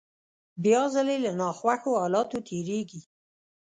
بيا ځلې له ناخوښو حالاتو تېرېږي.